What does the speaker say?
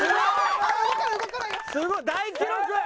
すごい大記録。